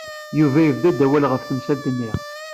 Yuba yebda-d awal ɣef temsalt-nni.